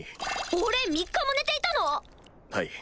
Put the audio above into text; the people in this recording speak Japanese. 俺３日も寝ていたの⁉はい。